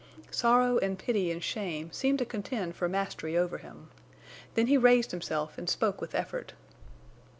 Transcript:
Sorrow and pity and shame seemed to contend for mastery over him. Then he raised himself and spoke with effort.